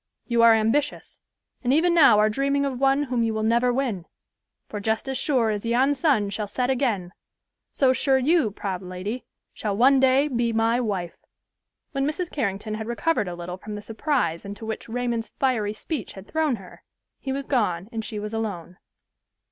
You are ambitious, and even now are dreaming of one whom you will never win; for just as sure as yon sun shall set again, so sure you, proud lady, shall one day be my wife." When Mrs. Carrington had recovered a little from the surprise into which Raymond's fiery speech had thrown her, he was gone and she was alone.